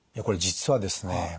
これ実はですね